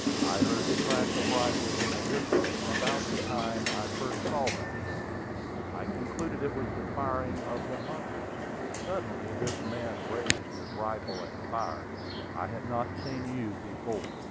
I heard the crack of rifles in the distance, about the time I first saw that villain. I concluded it was the firing of the hunters. Suddenly this man raised his rifle and fired. I had not seen you before.